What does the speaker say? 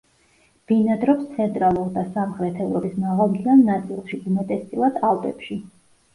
ბინადრობს ცენტრალურ და სამხრეთ ევროპის მაღალმთიან ნაწილში, უმეტესწილად ალპებში.